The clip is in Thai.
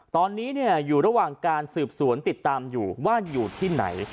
ตอนนี้อยู่ระหว่างการสืบสวนติดตามอยู่ว่าอยู่ที่ไหน